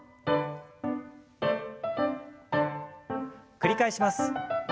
繰り返します。